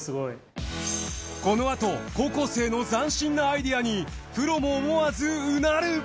このあと高校生の斬新なアイデアにプロも思わずうなる。